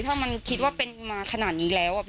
ถ้ามันคิดว่าเป็นมาขนาดนี้แล้ว